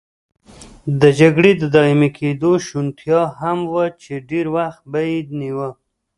د جګړې د دایمي کېدو شونتیا هم وه چې ډېر وخت به یې نیوه.